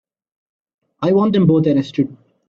I want them both arrested.